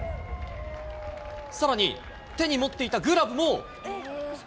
さらに、手に持っていたグラブも。